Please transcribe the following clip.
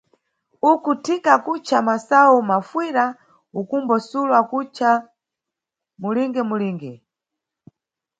Uku Thika ankutca masayu mafuyira, ukumbo Sulo akutca mulige-mulige.